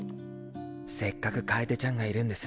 せっかく楓ちゃんがいるんです。